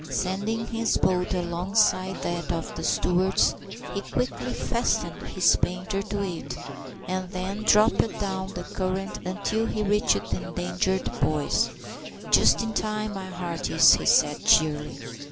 Sending his boat alongside that of the Stewarts', he quickly fastened his painter to it, and then dropped down the current until he reached the endangered boys. "Just in time, my hearties," said he cheerily.